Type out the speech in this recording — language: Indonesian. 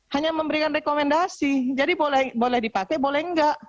hanya memberikan rekomendasi jadi boleh dipakai boleh enggak